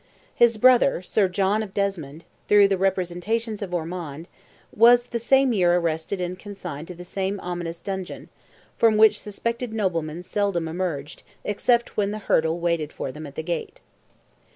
His brother, Sir John of Desmond, through the representations of Ormond, was the same year arrested and consigned to the same ominous dungeon, from which suspected noblemen seldom emerged, except when the hurdle waited for them at the gate.